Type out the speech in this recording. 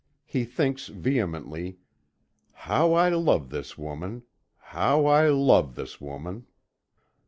He thinks vehemently: "How I love this woman! How I love this woman!"